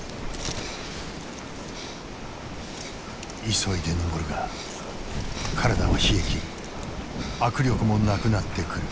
急いで登るが体は冷え切り握力もなくなってくる。